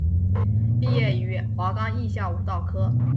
毕业于华冈艺校舞蹈科。